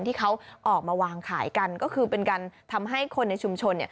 ที่เขาออกมาวางขายกันก็คือเป็นการทำให้คนในชุมชน